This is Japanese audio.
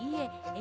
え！